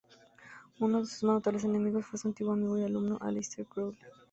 Uno de sus más notables enemigos fue su antiguo amigo y alumno Aleister Crowley.